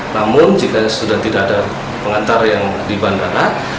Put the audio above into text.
namun jika sudah tidak ada pengantar yang di bandara